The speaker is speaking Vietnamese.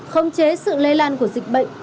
không chế sự lây lan của dịch bệnh